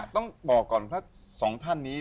ต้องบอกก่อนนะครับสองท่านนี้